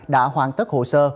đã hoàn tất hồ sơ